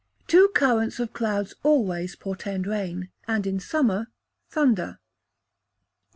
Two currents of clouds always portend rain, and, in summer, thunder. 966.